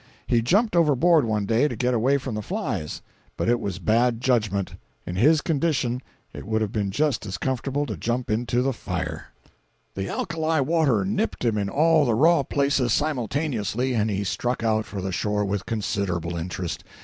He jumped overboard one day to get away from the flies. But it was bad judgment. In his condition, it would have been just as comfortable to jump into the fire. 266a.jpg (44K) The alkali water nipped him in all the raw places simultaneously, and he struck out for the shore with considerable interest.